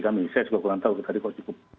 kami saya juga kurang tahu tadi kok cukup